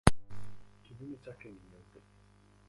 Kinyume chake ni nyeupe.